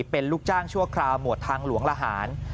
เป็นลูกจ้างชั่วคราวหมวดทางหลวงละหาร